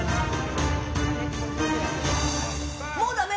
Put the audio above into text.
もうダメ？